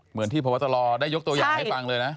เหมือนที่พบตรได้ยกตัวอย่างให้ฟังเลยนะ